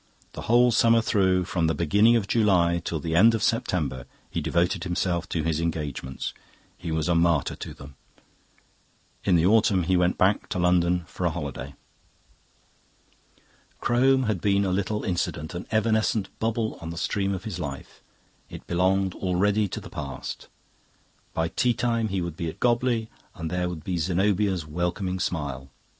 The whole summer through, from the beginning of July till the end of September, he devoted himself to his engagements; he was a martyr to them. In the autumn he went back to London for a holiday. Crome had been a little incident, an evanescent bubble on the stream of his life; it belonged already to the past. By tea time he would be at Gobley, and there would be Zenobia's welcoming smile.